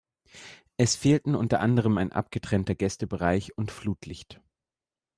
Es fehlten unter anderem ein abgetrennter Gästebereich und Flutlicht.